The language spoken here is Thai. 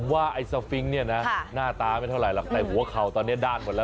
ว่าไอ้สฟิงค์เนี่ยนะหน้าตาไม่เท่าไหรหรอกแต่หัวเข่าตอนนี้ด้านหมดแล้ว